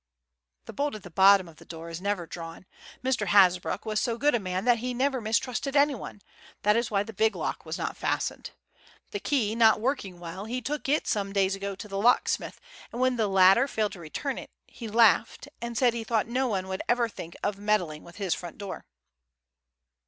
"The bolt at the bottom of the door is never drawn. Mr. Hasbrouck was so good a man that he never mistrusted any one. That is why the big lock was not fastened. The key, not working well, he took it some days ago to the locksmith, and when the latter failed to return it, he laughed, and said he thought no one would ever think of meddling with his front door."